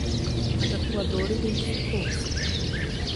A tatuadora identificou-se